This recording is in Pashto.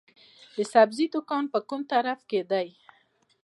د سبزۍ دکان کوم طرف ته دی؟